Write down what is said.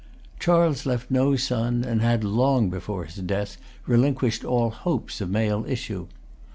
Charles left no son, and had, long before his death, relinquished all hopes of male issue.